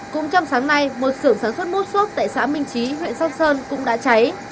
cũng trong sáng nay một sưởng sản xuất mút xốp tại xã minh trí huyện sóc sơn cũng đã cháy